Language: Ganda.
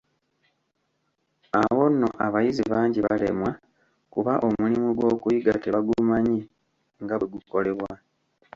Awo nno abayizi bangi balemwa, kuba omulimu gw'okuyiga tebagumanyi nga bwe gukolebwa.